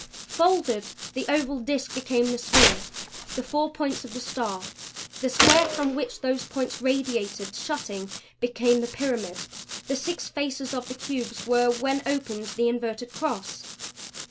Folded, the oval disk became the sphere; the four points of the star, the square from which those points radiated; shutting became the pyramid; the six faces of the cubes were when opened the inverted cross.